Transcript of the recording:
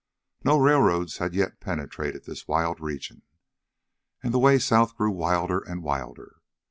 No railroads had yet penetrated this wild region, and the way south grew wilder and wilder.